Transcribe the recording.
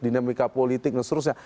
dinamika politik dan seterusnya